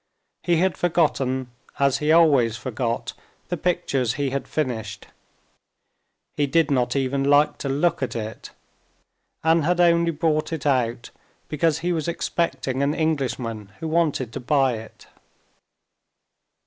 He had forgotten, as he always forgot, the pictures he had finished. He did not even like to look at it, and had only brought it out because he was expecting an Englishman who wanted to buy it.